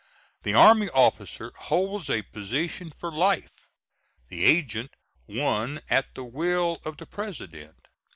The army officer holds a position for life; the agent, one at the will of the President.